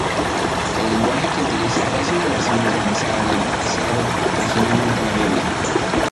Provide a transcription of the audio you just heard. El lenguaje que utiliza es una versión modernizada del utilizado originalmente en la Biblia.